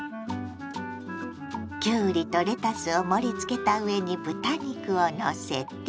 きゅうりとレタスを盛り付けた上に豚肉をのせて。